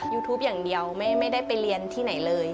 ยูทูปอย่างเดียวไม่ได้ไปเรียนที่ไหนเลย